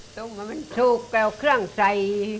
ต้มมันถูกแปลวเครื่องใส